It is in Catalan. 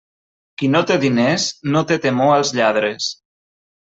Qui no té diners no té temor als lladres.